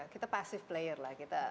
kita pasif player lah